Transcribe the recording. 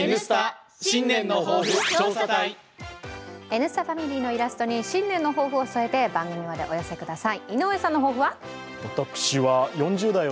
「Ｎスタ」ファミリーのイラストに新年の抱負を添えて番組までお寄せください。